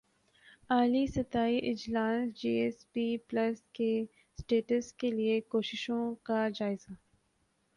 اعلی سطحی اجلاس جی ایس پی پلس کے اسٹیٹس کیلئے کوششوں کا جائزہ